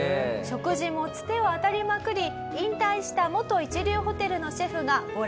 食事もツテを当たりまくり引退した元一流ホテルのシェフがボランティアで協力。